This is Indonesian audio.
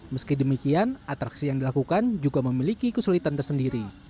meski demikian atraksi yang dilakukan juga memiliki kesulitan tersendiri